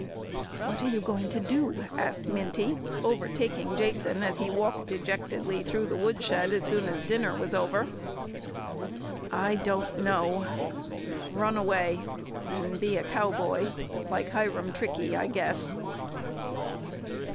"What are you going to do?" asked Minty, overtaking Jason, as he walked dejectedly through the woodshed as soon as dinner was over. "I don't know; run away and be a cowboy like Hiram Trickey, I guess."